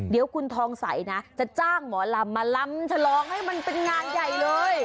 เดี๋ยวคุณทองใสนะจะจ้างหมอลำมาลำฉลองให้มันเป็นงานใหญ่เลย